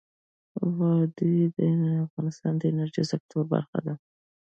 وادي د افغانستان د انرژۍ سکتور برخه ده.